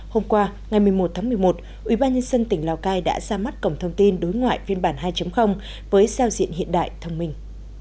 hôm qua ngày một mươi một tháng một mươi một ubnd tỉnh lào cai đã ra mắt cổng thông tin đối ngoại phiên bản hai với sao diện hiện đại thông minh